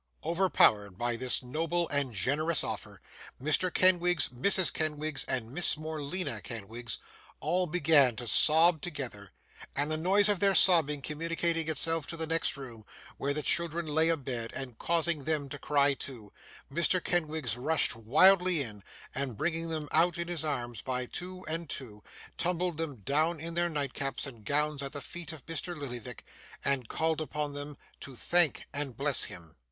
Overpowered by this noble and generous offer, Mr. Kenwigs, Mrs. Kenwigs, and Miss Morleena Kenwigs, all began to sob together; and the noise of their sobbing, communicating itself to the next room, where the children lay a bed, and causing them to cry too, Mr. Kenwigs rushed wildly in, and bringing them out in his arms, by two and two, tumbled them down in their nightcaps and gowns at the feet of Mr. Lillyvick, and called upon them to thank and bless him.